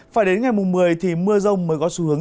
phải đến ngày mùng một mươi thì mưa rong mới có xu hướng